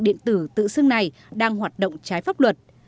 với việc ngân hàng điện tử tự xưng này đang hoạt động trái pháp luật